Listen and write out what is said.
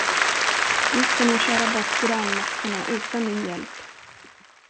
Vi ska nog köra bort granmaskarna utan din hjälp.